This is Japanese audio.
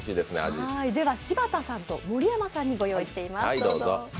柴田さんと盛山さんにご用意しています。